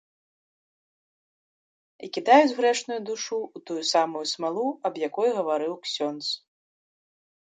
І кідаюць грэшную душу ў тую самую смалу, аб якой гаварыў ксёндз.